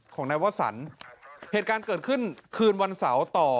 ของนายวสันเหตุการณ์เกิดขึ้นคืนวันเสาร์ต่อ